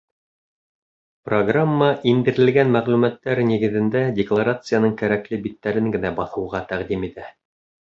Программа индерелгән мәғлүмәттәр нигеҙендә декларацияның кәрәкле биттәрен генә баҫыуға тәҡдим итә.